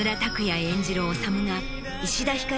演じる治が石田ひかり